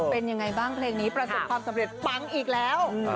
เป็นยังไงบ้างเพลงนี้ประสบความสำเร็จปังอีกแล้ว